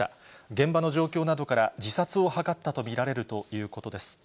現場の状況などから、自殺を図ったと見られるということです。